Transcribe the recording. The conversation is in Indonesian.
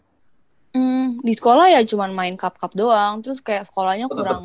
hmm di sekolah ya cuma main cup cup doang terus kayak sekolahnya kurang